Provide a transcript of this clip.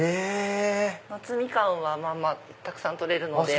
夏ミカンはたくさん採れるので。